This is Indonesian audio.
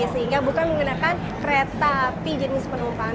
sehingga bukan menggunakan kereta api jenis penumpang